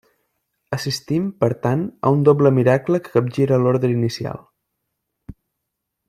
Assistim, per tant, a un doble miracle que capgira l'ordre inicial.